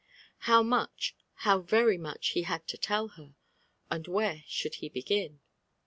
How much, how very much he had to tell her I — and where tihould he begin